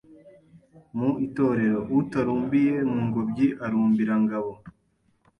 mu Itorero; “Utarumbiye mu ngobyi arumbira ngabo